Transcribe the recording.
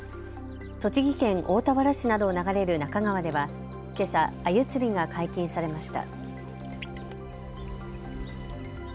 栃木県大田原市などを流れる那珂川ではけさ、あゆ釣りが解禁されました。